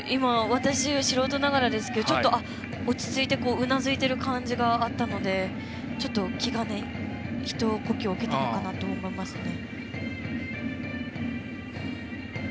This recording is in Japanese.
私は素人ながらですがちょっと落ち着いてうなずいている感じがあったのでちょっと、一呼吸置けたのかなと思いますね。